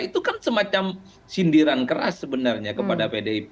itu kan semacam sindiran keras sebenarnya kepada pdip